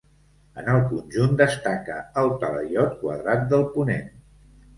En el conjunt destaca el talaiot quadrat del ponent.